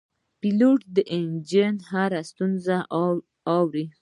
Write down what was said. پیلوټ د انجن هره ستونزه اوري.